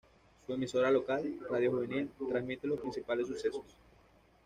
Su emisora local, Radio Juvenil, transmite los principales sucesos.